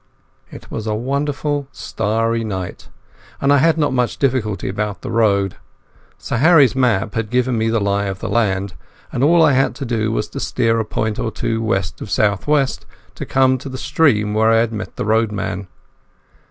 It was a wonderful starry night, and I had not much difficulty about the road. Sir Harry's map had given me the lie of the land, and all I had to do was to steer a point or two west of south west to come to the stream where I had met the roadman.